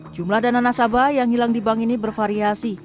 jumlah dana nasabah yang hilang di bank ini bervariasi